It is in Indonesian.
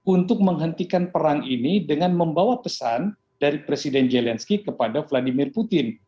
untuk menghentikan perang ini dengan membawa pesan dari presiden zelensky kepada vladimir putin